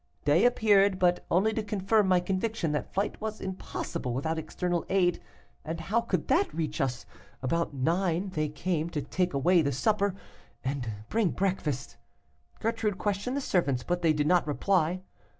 Day appeared, but only to confirm my conviction that flight was impossible without external aid; and how could that reach us? About nine they came to take away the supper and bring breakfast. Gertrude questioned the servants, but they did not reply.